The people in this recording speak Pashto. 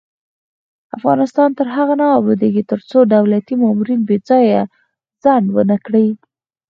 افغانستان تر هغو نه ابادیږي، ترڅو دولتي مامورین بې ځایه ځنډ ونه کړي.